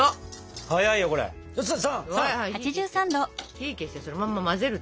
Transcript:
火消してそのまま混ぜる！